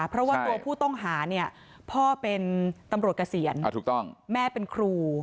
เพราะว่าตัวผู้ต้องหาเนี่ยพ่อเป็นตำรวจเกษียณแม่เป็นครู